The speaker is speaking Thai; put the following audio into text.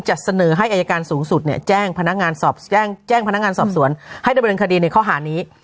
จะเสนอให้อัยการสูงสุดใจ้งพนักงานสอบสวนให้จะเป็นคดีในข้อหานี้